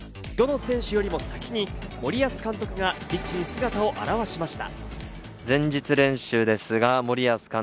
どの選手よりも先に森保監督がピッチに姿を現しました。